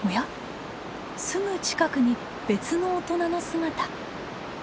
すぐ近くに別の大人の姿。